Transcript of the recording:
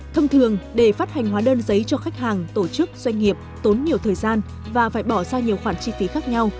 thông thường để phát hành hóa đơn giấy cho khách hàng tổ chức doanh nghiệp tốn nhiều thời gian và phải bỏ ra nhiều khoản chi phí khác nhau